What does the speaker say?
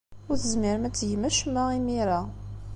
Ur tezmirem ad tgem acemma imir-a.